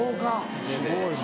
すごいね。